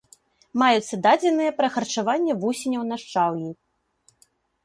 Маюцца дадзеныя пра харчаванне вусеняў на шчаўі.